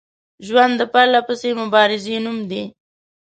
ژوند د پرلپسې مبارزې نوم دی